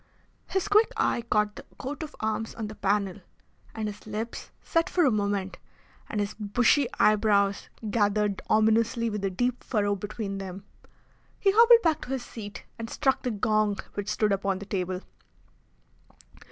His quick eye caught the coat of arms on the panel, and his lips set for a moment and his bushy eyebrows gathered ominously with a deep furrow between them. He hobbled back to his seat and struck the gong which stood upon the table.